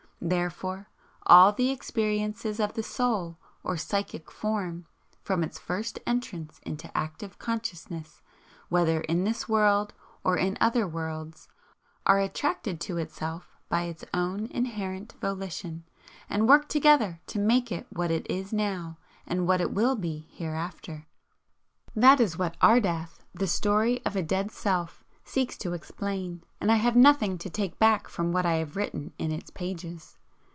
Therefore, all the experiences of the 'Soul' or psychic form, from its first entrance into active consciousness, whether in this world or in other worlds, are attracted to itself by its own inherent volition, and work together to make it what it is now and what it will be hereafter. That is what "Ardath: The Story of a Dead Self" seeks to explain, and I have nothing to take back from what I have written in its pages.